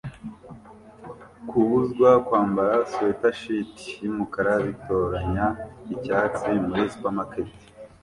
Kubuzwa kwambara swaetshirt yumukara bitoranya icyatsi muri supermarket